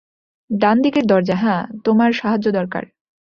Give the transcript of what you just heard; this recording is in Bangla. ডান দিকের দরজা, হ্যা - তোমার সাহায্য দরকার?